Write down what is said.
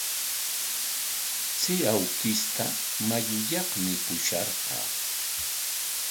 Chay awkishta mayuyaqmi pusharqaa.